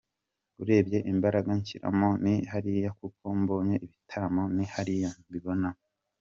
Urebye imbaraga nshyiramo ni hariya kuko mbonye ibitaramo, ni hariya mbibona.